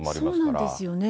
そうなんですよね。